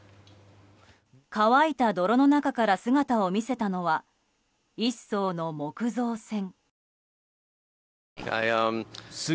乾いた泥の中から姿を見せたのは、１艘の木造船。